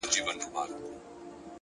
زحمت د موخو د رسېدو بیړۍ ده